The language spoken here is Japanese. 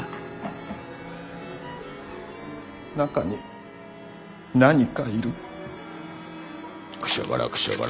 中に何かいる。